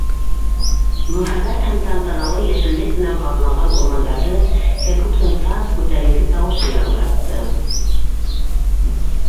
Мөһабәт һәм тантаналы йәшеллек менән ҡапланған урмандарҙы кәкүктең саф, күтәренке тауышы яңғыратты.